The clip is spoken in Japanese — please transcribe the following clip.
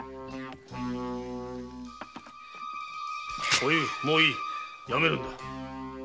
おゆうもういいやめるんだ。